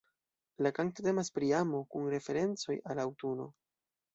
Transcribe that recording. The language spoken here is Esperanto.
La kanto temas pri amo, kun referencoj al aŭtuno.